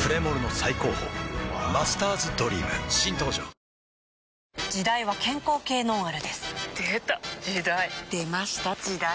プレモルの最高峰「マスターズドリーム」新登場ワオ時代は健康系ノンアルですでた！時代！出ました！時代！